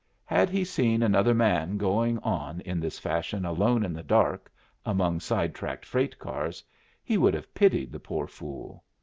Had he seen another man going on in this fashion alone in the dark, among side tracked freight cars, he would have pitied the poor fool.